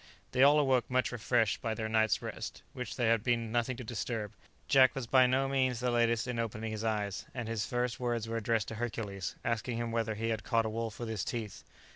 They all awoke much refreshed by their night's rest, which there had been nothing to disturb. Jack was by no means the latest in opening his eyes, and his first words were addressed to Hercules, asking him whether he had caught a wolf with his teeth.